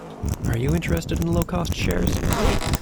Are you interested in low-cost shares?